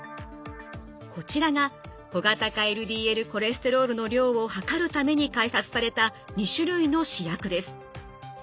こちらが小型化ＬＤＬコレステロールの量を測るために開発された２種類の試薬です。